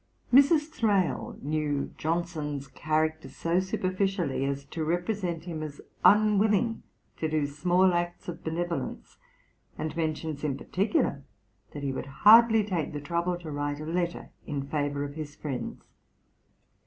Mrs. Thrale knew Johnson's character so superficially, as to represent him as unwilling to do small acts of benevolence; and mentions in particular, that he would hardly take the trouble to write a letter in favour of his friends.